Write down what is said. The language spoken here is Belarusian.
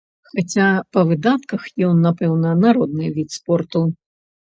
Хаця па выдатках ён, напэўна, народны від спорту.